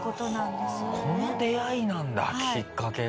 この出会いなんだきっかけが。